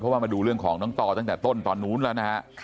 เพราะว่ามาดูเรื่องของน้องต่อตั้งแต่ต้นตอนนู้นแล้วนะฮะ